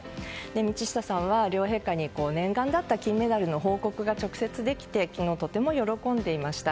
道下さんは両陛下に念願だった金メダルの報告が直接できて昨日、とても喜んでいました。